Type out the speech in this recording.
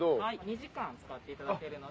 ２時間使っていただけるので。